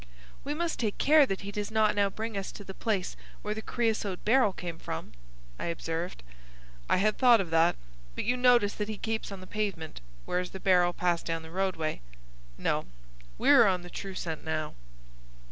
"We must take care that he does not now bring us to the place where the creasote barrel came from," I observed. "I had thought of that. But you notice that he keeps on the pavement, whereas the barrel passed down the roadway. No, we are on the true scent now."